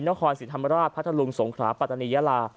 นครศรีธามราชย์พัทธารุงสงขาพรรณียะลา